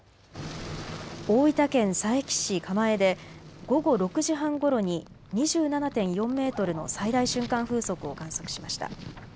大分県佐伯市蒲江で午後６時半ごろに２７．４メートルの最大瞬間風速を観測しました。